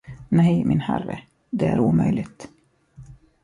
Nej, min herre, det är omöjligt.